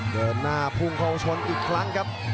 เดินหน้าพุ่งเข้าชนอีกครั้งครับ